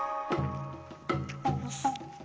よし。